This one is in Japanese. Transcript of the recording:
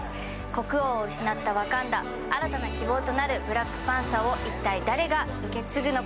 国王を失ったワカンダ、新たな希望となるブラックパンサーを誰が受け継ぐの。